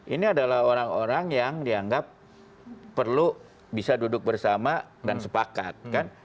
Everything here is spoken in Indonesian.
ini adalah orang orang yang dianggap perlu bisa duduk bersama dan sepakat